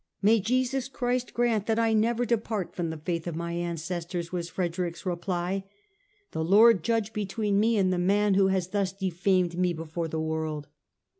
" May Jesus Christ grant that I never depart from the THE SECOND EXCOMMUNICATION 173 faith of my ancestors," was Frederick's reply. " The Lord judge between me and the man who has thus defamed me before the world.